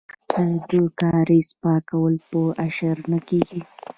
آیا د کاریز پاکول په اشر نه کیږي؟